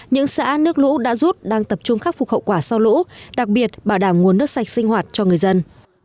những xã nước lũ đã rút đang tập trung khắc phục hậu quả sau lũ đặc biệt bảo đảm nguồn nước sạch sinh hoạt cho người dân